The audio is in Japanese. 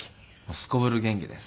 すこぶる元気です。